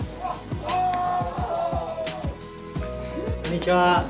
こんにちは！